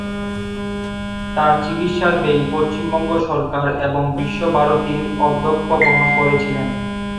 তাঁর চিকিত্সার ব্যয় পশ্চিমবঙ্গ সরকার এবং বিশ্বভারতীর অধ্যক্ষ বহন করেছিলেন।